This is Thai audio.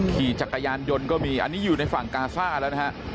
ขี่จักรยานยนต์ก็มีอันนี้อยู่ในฝั่งกาซ่าแล้วนะฮะ